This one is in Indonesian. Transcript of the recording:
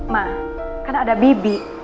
ma kan ada bibi